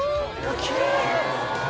きれい！